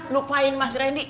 nukfahin mas randy